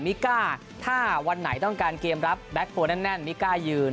ก้าถ้าวันไหนต้องการเกมรับแบ็คโฮลแน่นมิก้ายืน